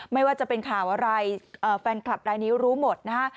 ไม่ว่าจะเป็นข่าวอะไรแฟนคลับรายนี้รู้หมดนะฮะ